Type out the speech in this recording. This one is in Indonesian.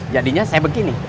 jadinya saya begini